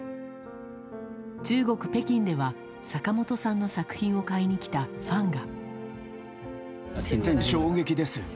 中国・北京では坂本さんの作品を買いに来たファンが。